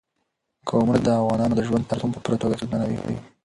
قومونه د افغانانو د ژوند طرز هم په پوره توګه اغېزمنوي.